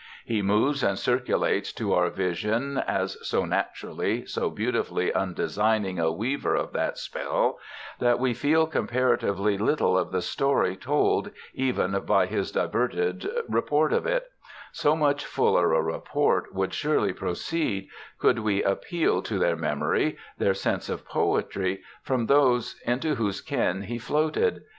He moves and circulates to our vision as so naturally, so beautifully undesigning a weaver of that spell, that we feel comparatively little of the story told even by his diverted report of it; so much fuller a report would surely proceed, could we appeal to their memory, their sense of poetry, from those into whose ken he floated.